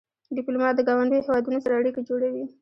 ډيپلومات د ګاونډیو هېوادونو سره اړیکې جوړوي.